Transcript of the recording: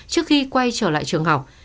trước khi quay trở lại trường học